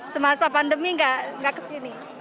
semasa pandemi gak kesini